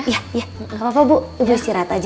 gapapa bu istirahat aja